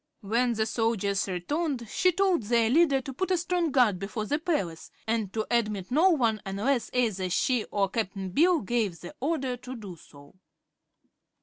When the soldiers returned she told their leader to put a strong guard before the palace and to admit no one unless either she or Cap'n Bill gave the order to do so.